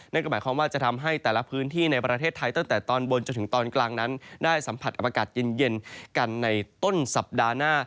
นั่นก็หมายความว่าจะทำให้แต่ละพื้นที่ในประเทศไทยตั้งแต่ตอนบนจนถึงตอนกลางนั้นได้สัมผัสกับอากาศเย็นกันในต้นสัปดาห์หน้า